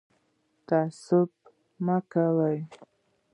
تعصب مه کوئ